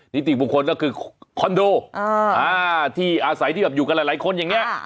นิติบุคคลก็คือคอนโดที่อาศัยที่แบบอยู่กันหลายคนอย่างนี้